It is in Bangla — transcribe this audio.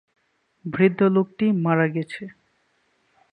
বৃদ্ধ লোকটি মারা গেছে।